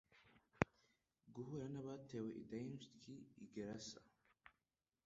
Guhura n'abatewe na dayimcni i Gerasa,